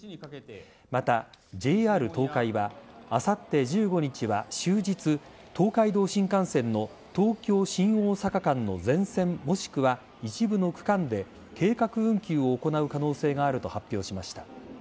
また、ＪＲ東海はあさって１５日は終日、東海道新幹線の東京新大阪間の全線もしくは一部の区間で計画運休を行う可能性があると発表しました。